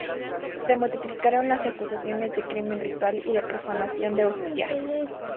Se multiplicaron las acusaciones de crimen ritual y de profanación de hostias.